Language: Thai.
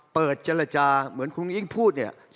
เปิดเจรจาเหมือนคุณอิงพูดเนี่ย